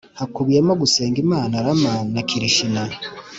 hakubiyemo gusenga imana rama na kirishina